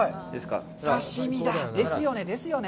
刺身だ。ですよね、ですよね。